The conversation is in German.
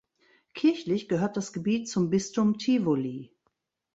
Kirchlich gehört das Gebiet zum Bistum Tivoli.